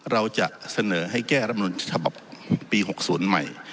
เราจะเสนอให้แก้รำนวณฉภัพธ์ปีหกศูนย์ใหม่